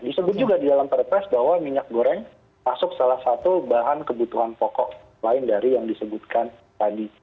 disebut juga di dalam perpres bahwa minyak goreng masuk salah satu bahan kebutuhan pokok lain dari yang disebutkan tadi